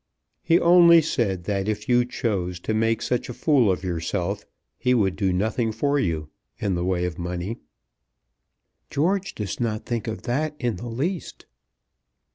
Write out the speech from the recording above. "He only said that if you chose to make such a fool of yourself, he would do nothing for you in the way of money." "George does not think of that in the least."